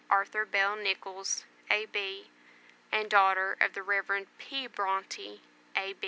ARTHUR BELL NICHOLLS, A.B., AND DAUGHTER OF THE REV. P. BRONTE, A.